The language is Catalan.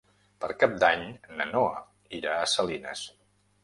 Per Cap d'Any na Noa irà a Salines.